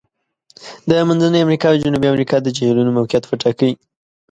د منځني امریکا او جنوبي امریکا د جهیلونو موقعیت وټاکئ.